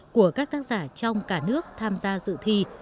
của các tác giả trong cả nước tham gia dự thi